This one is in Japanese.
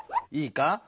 いいか？